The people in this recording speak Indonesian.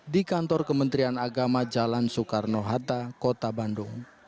di kantor kementerian agama jalan soekarno hatta kota bandung